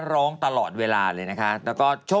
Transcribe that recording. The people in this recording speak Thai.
พระพุทธรูปสูงเก้าชั้นหมายความว่าสูงเก้าชั้น